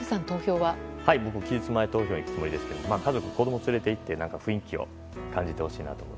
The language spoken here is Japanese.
僕、期日前投票に行くつもりですが家族を連れて行って雰囲気を感じてほしいなと。